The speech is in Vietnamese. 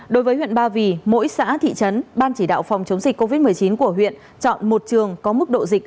đối với huyện ba vì mỗi xã thị trấn ban chỉ đạo phòng chống dịch covid một mươi chín của huyện chọn một trường có mức độ dịch